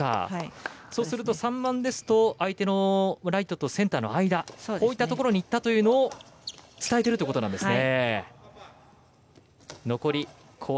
そうすると３番ですと相手のライトとセンターの間こういったところにいったというのを伝えてるということなんですね。